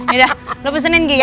nih dah lu pesenin gi ya